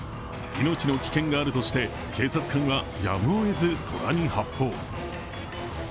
命の危険があるとして警察官はやむをえず虎に発砲。